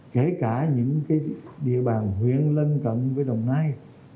kể cả những địa bàn huyện lân cận với đồng nai